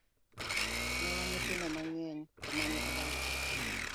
Ne wan nyithindo mang'eny kumane adake.